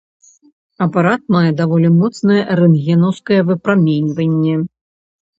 Апарат мае даволі моцнае рэнтгенаўскае выпраменьванне.